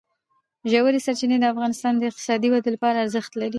ژورې سرچینې د افغانستان د اقتصادي ودې لپاره ارزښت لري.